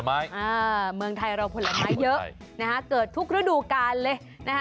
เมืองไทยเราผลไม้เยอะนะฮะเกิดทุกฤดูกาลเลยนะฮะ